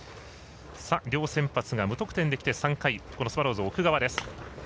両先発が無得点できて３回奥川です。